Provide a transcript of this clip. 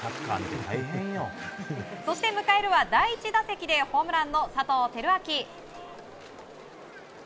そして迎えるは第１打席でホームランの佐藤輝明。